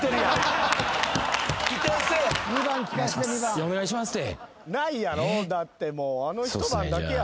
いや「お願いします」て。